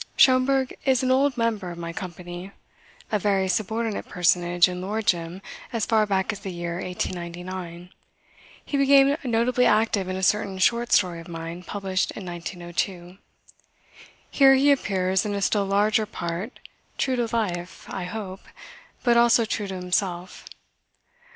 Schomberg is an old member of my company. A very subordinate personage in Lord Jim as far back as the year 1899, he became notably active in a certain short story of mine published in 1902. Here he appears in a still larger part, true to life (I hope), but also true to himself.